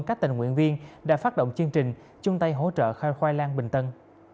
các tình nguyện viên đã phát động chương trình chung tay hỗ trợ khai khoai lang bình tân